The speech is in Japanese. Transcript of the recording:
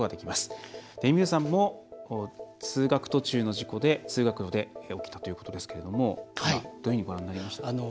えみるさんも通学途中の事故通学路で起きたということですけれどもどういうふうにご覧になりましたか。